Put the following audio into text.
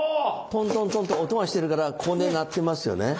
トントントンと音がしてるからここで鳴ってますよね。